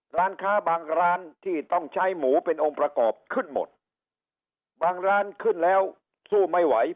ร้านค้าบางร้านที่ต้องใช้หมูเป็นองค์ประกอบขึ้นหมดบางร้านขึ้นแล้วสู้ไม่ไหว